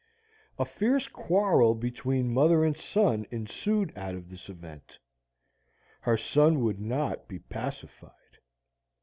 A fierce quarrel between mother and son ensued out of this event. Her son would not be pacified.